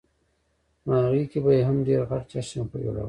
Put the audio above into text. نوهغې کې به یې هم ډېر غټ جشن جوړاوه.